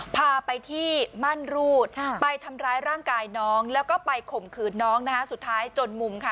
พาไปที่มั่นรูดไปทำร้ายร่างกายน้องแล้วก็ไปข่มขืนน้องนะคะสุดท้ายจนมุมค่ะ